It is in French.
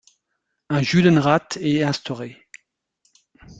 Un Judenrat est instauré.